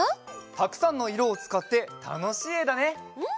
たくさんのいろをつかってたのしいえだね。